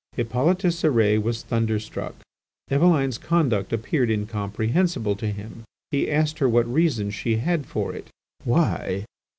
Hippolyte Cérès was thunderstruck. Eveline's conduct appeared incomprehensible to him; he asked her what reasons she had for it. "Why?